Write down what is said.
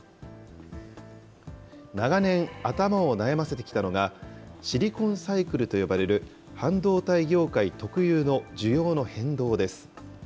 長年、頭を悩ませてきたのが、シリコンサイクルと呼ばれる半導体業界特有の需要の変動です。